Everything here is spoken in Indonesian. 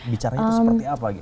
bicaranya itu seperti apa